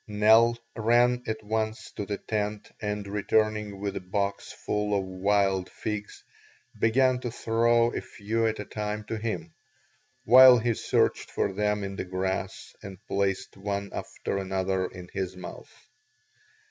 Nell ran at once to the tent and returning with a box full of wild figs, began to throw a few at a time to him, while he searched for them in the grass and placed one after another in his mouth.